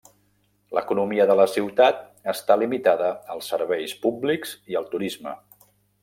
L'economia de la ciutat està limitada als serveis públics i al turisme.